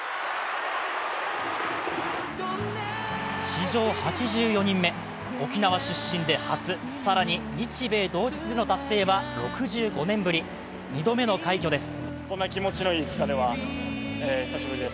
史上８４人目、沖縄出身で初、更に日米同日での達成は６５年ぶり２度目の快挙です。